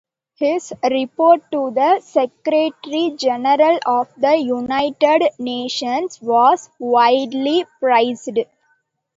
His Report to the Secretary-General of the United Nations was widely praised.